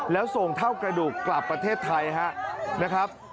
แล้วส่งเท่ากระดูกกลับประเทศไทยนะครับ